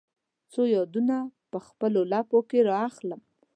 څو یادونه په خپل لپو کې را اخلم